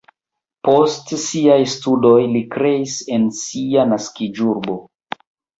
Post siaj studoj li kreis en sia naskiĝurbo.